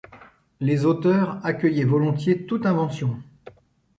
Les auteurs accueillaient volontiers toute invention.